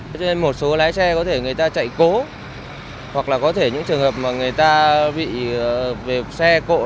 cho nên một số lái xe có thể người ta chạy cố hoặc là có thể những trường hợp mà người ta bị về xe cộ